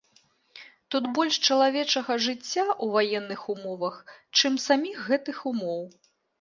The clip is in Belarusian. Тут больш чалавечага жыцця ў ваенных умовах, чым саміх гэтых умоў.